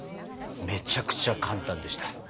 めちゃくちゃ簡単でした。